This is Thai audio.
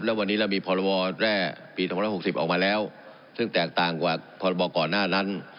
แล้ววันนี้เรามีพรบแร่ปี๒๖๐ออกมาแล้วซึ่งแตกต่างกว่าพรบก่อนหน้านั้น